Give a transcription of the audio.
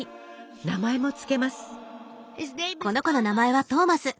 名前も付けます。